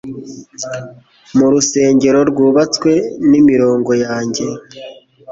Mu rusengero rwubatswe n'imirongo yanjye